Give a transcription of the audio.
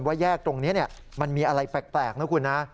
แยกตรงนี้มันมีอะไรแปลกนะคุณนะ